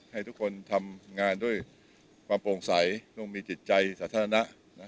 ให้ทุกคนทำงานด้วยความโปร่งใสต้องมีจิตใจสาธารณะ